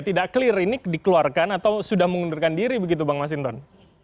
tidak clear ini dikeluarkan atau sudah mengundurkan diri begitu bang masinton